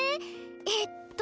えっと